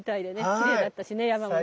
きれいだったしね山もね。